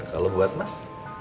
kalau buat mas